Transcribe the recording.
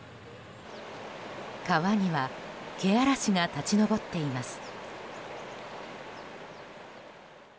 川にはけあらしが立ち上っています。